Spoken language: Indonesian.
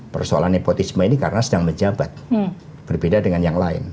persoalan nepotisme ini karena sedang menjabat berbeda dengan yang lain